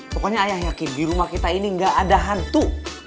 pokoknya ayah yakin di rumah kita ini gak ada hantu